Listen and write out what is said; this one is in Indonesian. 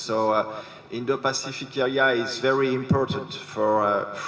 jadi area indo pasifik sangat penting untuk perancis